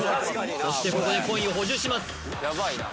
そしてここでコインを補充します